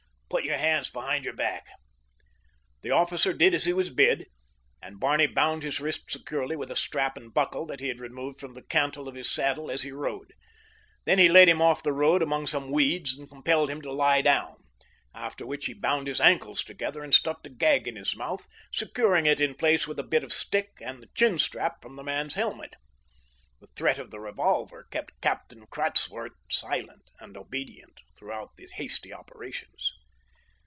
"Put your hands behind your back." The officer did as he was bid, and Barney bound his wrists securely with a strap and buckle that he had removed from the cantle of his saddle as he rode. Then he led him off the road among some weeds and compelled him to lie down, after which he bound his ankles together and stuffed a gag in his mouth, securing it in place with a bit of stick and the chinstrap from the man's helmet. The threat of the revolver kept Captain Krantzwort silent and obedient throughout the hasty operations.